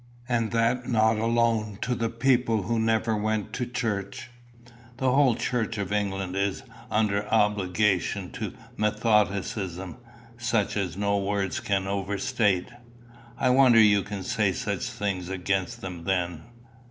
And that not alone to the people who never went to church. The whole Church of England is under obligations to Methodism such as no words can overstate." "I wonder you can say such things against them, then."